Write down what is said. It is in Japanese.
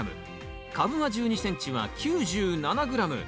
株間１２ｃｍは９７ｇ。